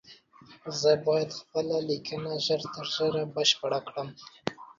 زه بايد خپله ليکنه ژر تر ژره بشپړه کړم